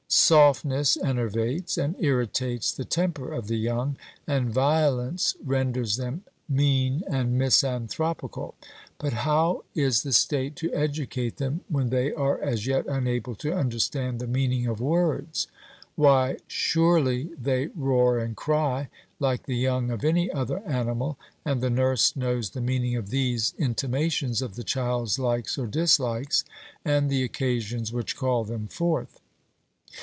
Softness enervates and irritates the temper of the young, and violence renders them mean and misanthropical. 'But how is the state to educate them when they are as yet unable to understand the meaning of words?' Why, surely they roar and cry, like the young of any other animal, and the nurse knows the meaning of these intimations of the child's likes or dislikes, and the occasions which call them forth.